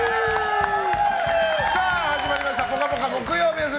始まりました「ぽかぽか」木曜日です。